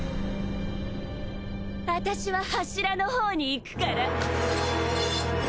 あたしは柱の方に行くから